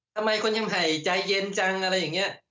ทำไมคนยังหายใจเย็นจังอะไรอย่างนี้